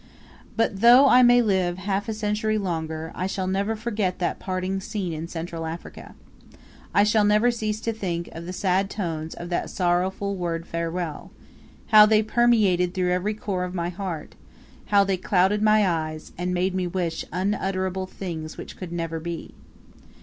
But though I may live half a century longer, I shall never forget that parting scene in Central Africa. I shall never cease to think of the sad tones of that sorrowful word Farewell, how they permeated through every core of my heart, how they clouded my eyes, and made me wish unutterable things which could never be.